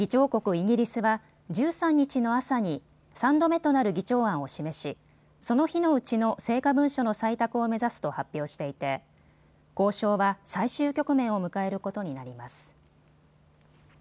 イギリスは１３日の朝に３度目となる議長案を示しその日のうちの成果文書の採択を目指すと発表していて交渉は最終局面を迎えることになります。